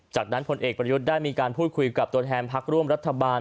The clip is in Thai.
จากนั้นผลเอกประยุทธ์ได้มีการพูดคุยกับตัวแทนพักร่วมรัฐบาล